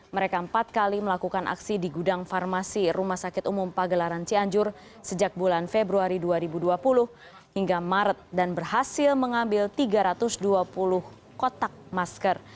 mereka empat kali melakukan aksi di gudang farmasi rumah sakit umum pagelaran cianjur sejak bulan februari dua ribu dua puluh hingga maret dan berhasil mengambil tiga ratus dua puluh kotak masker